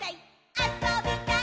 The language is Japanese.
あそびたい！